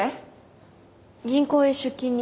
銀行へ出金に。